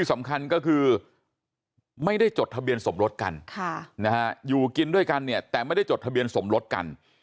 สำคัญก็คือไม่ได้จดทะเบียนสมรสกันอยู่กินด้วยกันเนี่ยแต่ไม่ได้จดทะเบียนสมรสกัน